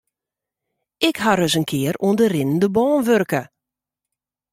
Ik ha ris in kear oan de rinnende bân wurke.